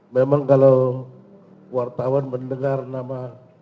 memang kalau wartawan mendengar nama